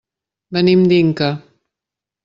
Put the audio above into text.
Venim d'Inca.